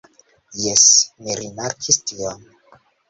Jes, mi rimarkis tion.